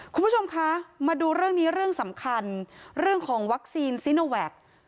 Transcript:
คุณผู้ชมคะมาดูเรื่องนี้เรื่องสำคัญเรื่องของวัคซีนซิโนแวค